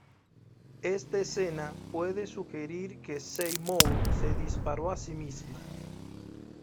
Esta escena puede sugerir que Seymour se disparó a sí misma.